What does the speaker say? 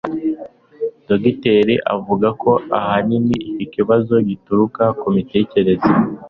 Dogiteri avuga ko ahanini iki kibazo gituruka mu mitekereze